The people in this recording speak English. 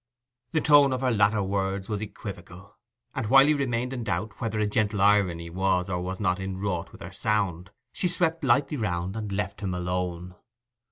The tone of her latter words was equivocal, and while he remained in doubt whether a gentle irony was or was not inwrought with their sound, she swept lightly round and left him alone.